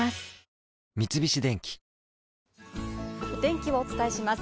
三菱電機お天気をお伝えします。